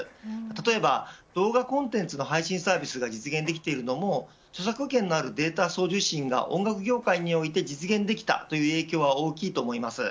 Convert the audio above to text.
例えば動画コンテンツの配信サービスが実現できているのも著作権のあるデータの送受信が音楽業界において実現できたというのは影響が大きいと思います。